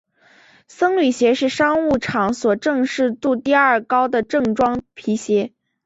僧侣鞋是商务场所正式度第二高的正装皮鞋。